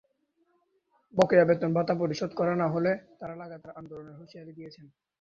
বকেয়া বেতন ভাতা পরিশোধ করা না হলে তাঁরা লাগাতার আন্দোলনের হুঁশিয়ারি দিয়েছেন।